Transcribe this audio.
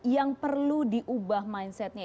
yang perlu diubah mindset nya